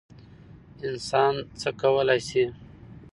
انسان څه کولی شي؟